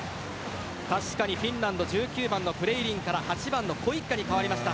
確かにフィンランド１９番のブレイリンから８番のコイッカに代わりました。